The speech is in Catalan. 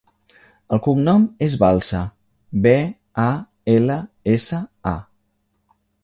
El cognom és Balsa: be, a, ela, essa, a.